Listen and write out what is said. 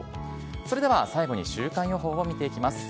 それでは最後に週間予報を見ていきます。